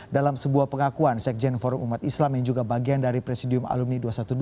dalam sebuah pengakuan sekjen forum umat islam yang juga bagian dari presidium alumni dua ratus dua belas